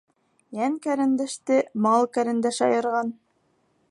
Йән ҡәрендәште мал ҡәрендәш айырған.